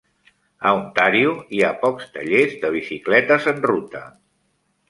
A Ontario, hi ha pocs tallers de bicicletes en ruta.